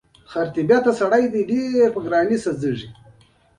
احمده کارونه لږ را ژوندي کړه.